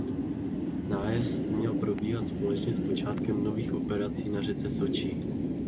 Nájezd měl probíhat společně s počátkem nových operací na řece Soči.